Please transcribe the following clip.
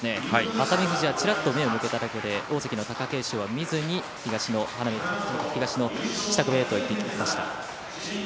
熱海富士はちらっと目を向けただけで大関の貴景勝は見ずに東の支度部屋へと向かっていきました。